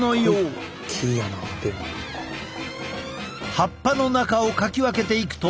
葉っぱの中をかき分けていくと。